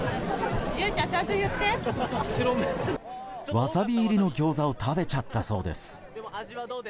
ワサビ入りの餃子を食べちゃったそうです。